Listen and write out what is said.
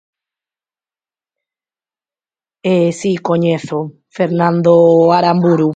Si, coñezo, Fernando Aramburu.